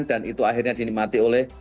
dan itu akhirnya dinikmati oleh